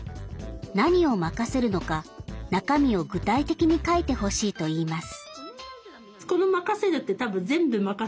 何を任せるのか中身を具体的に書いてほしいといいます。